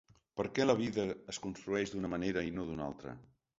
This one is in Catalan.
Per què la vida es construeix d’una manera i no d’una altra?